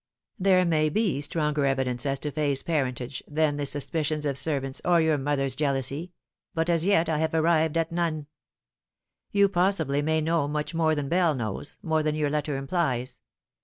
There may be stronger evidence as to Fay's parentage than the suspicions of servants or your mother's jealousy ; but as yet I have arrived at none. You possibly may know much more than Bell knows, more than your letter implies.